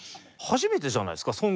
初めてじゃないですか？